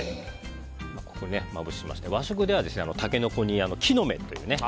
ここにまぶしまして和食ではタケノコに木の芽を。